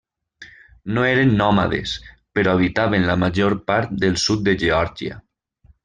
No eren nòmades però habitaven la major part del sud de Geòrgia.